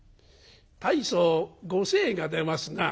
大層ご精が出ますな」。